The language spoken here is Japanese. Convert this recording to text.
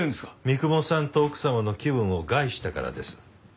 三雲さんと奥様の気分を害したからです。